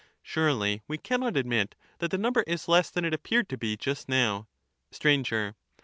Surely we cannot admit that the number is less than it appeared to be just now. Str.